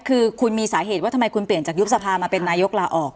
คือคุณมีสาเหตุว่าทำไมคุณเปลี่ยนจากยุบสภามาเป็นนายกลาออก